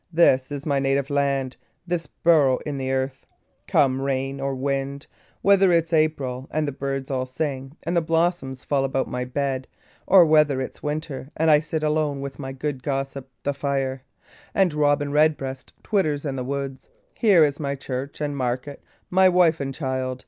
This is my native land, this burrow in the earth! Come rain or wind and whether it's April, and the birds all sing, and the blossoms fall about my bed or whether it's winter, and I sit alone with my good gossip the fire, and robin red breast twitters in the woods here, is my church and market, and my wife and child.